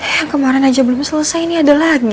yang kemarin aja belum selesai ini ada lagi